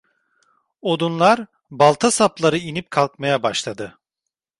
Odunlar, balta sapları inip kalkmaya başladı.